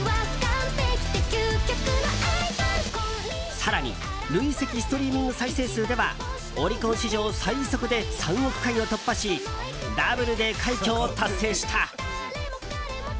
更に累積ストリーミング再生数ではオリコン史上最速で３億回を突破しダブルで快挙を達成した。